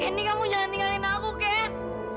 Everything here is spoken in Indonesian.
ini kamu jangan tinggalin aku ken